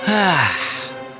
hah wow betapa indah hari ini